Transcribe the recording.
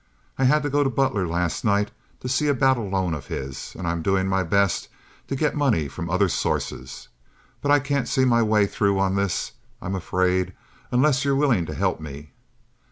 I had to go to Butler last night to see about a loan of his, and I'm doing my best to get money from other sources. But I can't see my way through on this, I'm afraid, unless you're willing to help me."